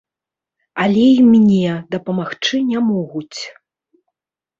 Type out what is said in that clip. Але і мне дапамагчы не могуць.